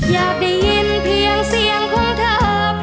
อย่าได้ยินเพียงเสียงของเธอ